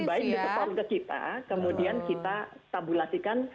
lebih baik di support ke kita kemudian kita tabulasikan